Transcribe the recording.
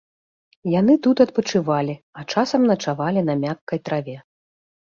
Яны тут адпачывалі, а часам начавалі на мяккай траве.